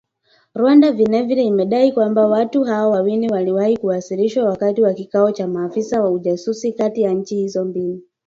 Rwanda vile vile imedai kwamba watu hao wawili waliwahi kuwasilishwa wakati wa kikao cha maafisa wa ujasusi kati ya nchi hizo mbili.